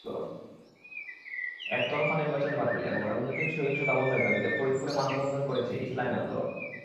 একতরফা নির্বাচন বাতিল এবং রাজনৈতিক সহিংসতা বন্ধের দাবিতে ফরিদপুরে মানববন্ধন করেছে ইসলামী আন্দোলন।